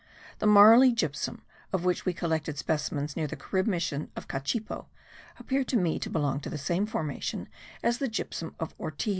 The marly gypsum, of which we collected specimens near the Carib mission of Cachipo, appeared to me to belong to the same formation as the gypsum of Ortiz.